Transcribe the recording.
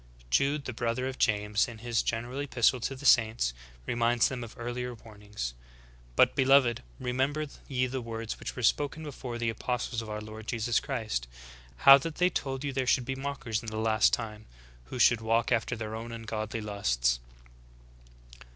'"^ 33. Jude, the brother of James, in his general epistle to the saints, reminds them of earlier warnings : "Bur beloved, remember ye the words which vvere spoken before of the apostles of our Lord Jesus Christ. How that they told you there should be mockers in the last time, who should walk after their own ungodly lusts.""'